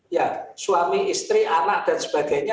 ya suami istri anak dan sebagainya